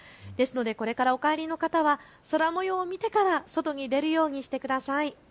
これからお帰りの方は空もようを見てから外に出るようにしてください。